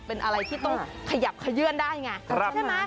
เป็นอะไรที่ต้องขยับขยื่นได้ไงใช่ไหม